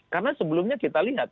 karena sebelumnya kita lihat